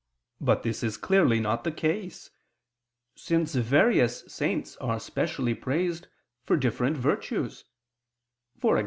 But this is clearly not the case: since various saints are specially praised for different virtues; e.g.